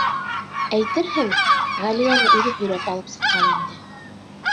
Әйтерһең, Ғәлиәне үҙе һөйрәп алып сыҡҡан инде.